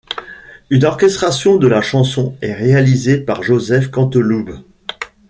Une orchestration de la chanson est réalisée par Joseph Canteloube.